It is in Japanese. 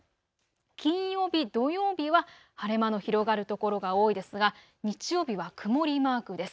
金曜日、土曜日は晴れ間の広がる所が多いですが、日曜日は曇りマークです。